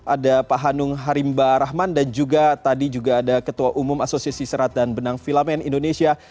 ada pak hanung harimba rahman dan juga tadi juga ada ketua umum asosiasi serat dan benang filamen indonesia